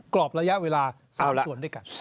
กรอบระยะเวลา๓ส่วนด้วยกัน